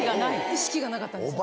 意識がなかったんです。